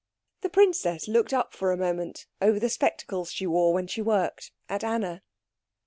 The princess looked up for a moment over the spectacles she wore when she worked, at Anna.